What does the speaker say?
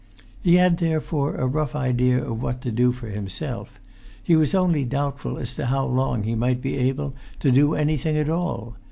He had therefore a rough idea of what to do for himself; he was only doubtful as to how long he might be able to do anything at all.